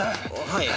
はい。